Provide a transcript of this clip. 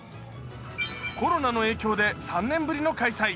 コロナの影響で３年ぶりの開催。